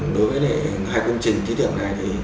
đối với hai cục cung trình ký chuẩn này